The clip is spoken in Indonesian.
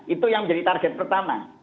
itu yang menjadi target pertama